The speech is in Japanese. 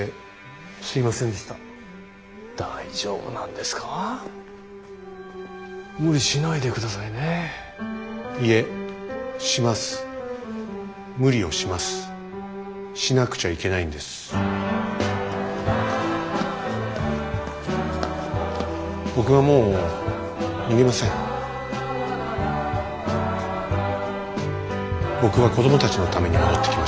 僕は子供たちのために戻ってきました。